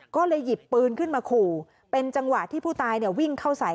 ก็เลยหยิบปืนขึ้นมาขู่เป็นจังหวะที่ผู้ตายเนี่ยวิ่งเข้าใส่